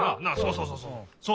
そうそうそうそう。